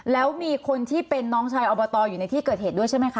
แล้วมีคนที่เป็นน้องชายอบตอยู่ในที่เกิดเหตุด้วยใช่ไหมคะ